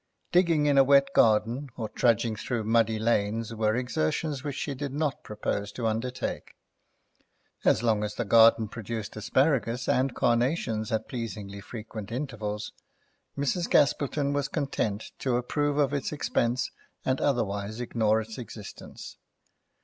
Digging in a wet garden or trudging through muddy lanes were exertions which she did not propose to undertake. As long as the garden produced asparagus and carnations at pleasingly frequent intervals Mrs. Gaspilton was content to approve of its expense and otherwise ignore its existence.